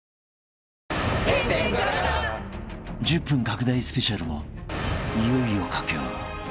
［１０分拡大スペシャルもいよいよ佳境］